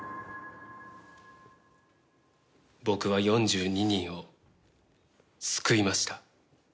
僕は４２人を救いました